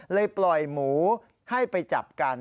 ปล่อยหมูให้ไปจับกัน